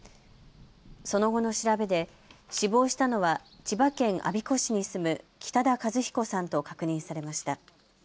その後の調べで死亡したのは千葉県我孫子市に住む、北田和彦さんと確認されました。